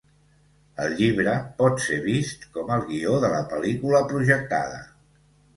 El llibre pot ser vist com el guió de la pel·lícula projectada.